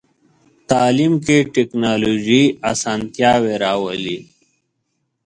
تعلیم کې ټکنالوژي اسانتیاوې راولي.